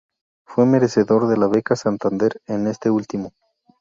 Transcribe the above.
Fue merecedor de la beca Santander en este ultimo.